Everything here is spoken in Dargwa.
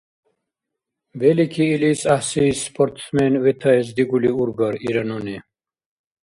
— Белики, илис гӀяхӀси спортсмен ветаэс дигули ургар? — ира нуни.